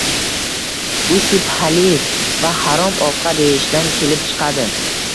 Bu shubhali va harom ovqat yeyishdan kelib chiqadi”.